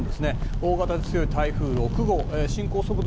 大型で強い台風６号進行速度